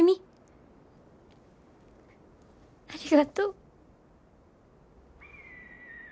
ありがとう。